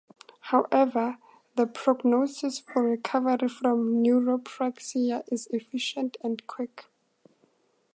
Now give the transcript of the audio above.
However, the prognosis for recovery from neurapraxia is efficient and quick.